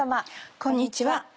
こんにちは。